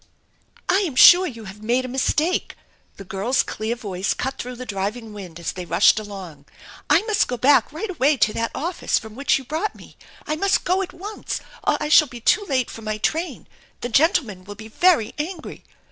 " I am sure you have made a mistake !" The ffirl's clear 248 THE ENCHANTED BARN voice cut through the driving wind as they rushed along. u 1 must go back right away to that office from which you brought me. I must ^o at once or I shall be too late for my train ! The gentleman will be very angry